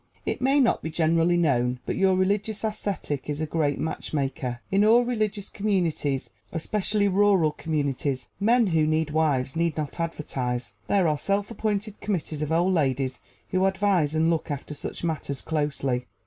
It may not be generally known, but your religious ascetic is a great matchmaker. In all religious communities, especially rural communities, men who need wives need not advertise there are self appointed committees of old ladies who advise and look after such matters closely.